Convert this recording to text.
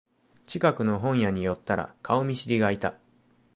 近くの本屋に寄ったら顔見知りがいた